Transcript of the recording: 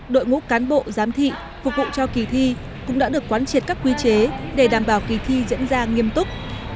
đội ngũ cán bộ giám thị phục vụ cho kỳ thi cũng đã được quán triệt các quy chế để đảm bảo kỳ thi diễn ra nghiêm túc